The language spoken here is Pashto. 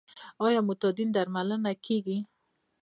آیا معتادین درملنه کیږي؟